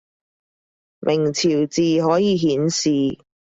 明朝字可以顯示